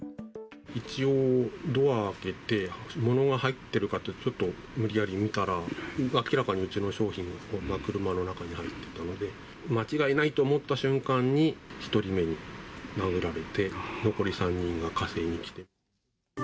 一応、ドア開けて、物が入っているかと、ちょっと、無理やり見たら、明らかにうちの商品が車の中に入ってたので、間違いないと思った瞬間に、１人目に殴られて、残り３人が加勢に来て。